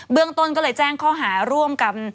เรื่องต้นก็เลยแจ้งข้อหาร่วมกัน